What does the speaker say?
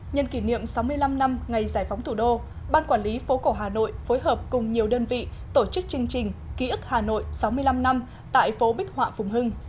nhân kỷ niệm sáu mươi năm năm ngày giải phóng thủ đô ban quản lý phố cổ hà nội phối hợp cùng nhiều đơn vị tổ chức chương trình ký ức hà nội sáu mươi năm năm tại phố bích họa phùng hưng